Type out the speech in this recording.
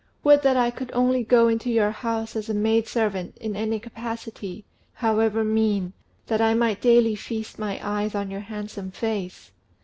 Would that I could only go into your house as a maid servant, in any capacity, however mean, that I might daily feast my eyes on your handsome face!"